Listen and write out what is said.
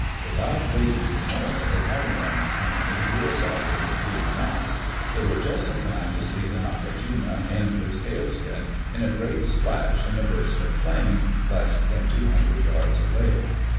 Without waiting for more, the catamaran's company threw aside the concealing mats. They were just in time to see the Nakajima end her tail spin in a great splash and a burst of flame, less than two hundred yards away.